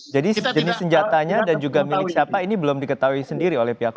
jadi jenis senjatanya dan juga milik siapa ini belum diketahui sendiri oleh pihak warga